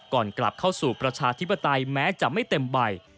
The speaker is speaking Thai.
ก่อนกลับเข้าสู่ประชาธิปไตยแม้จะไม่เต็มใบ